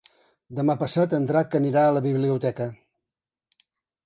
Demà passat en Drac anirà a la biblioteca.